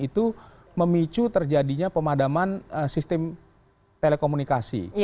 itu memicu terjadinya pemadaman sistem telekomunikasi